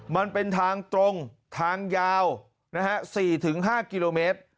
มันเป็นทางตรงทางยาว๔๕กิโลเมตร